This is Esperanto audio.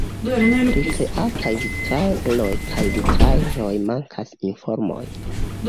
Pri kreataj vitraloj kaj vitraĵoj mankas informoj.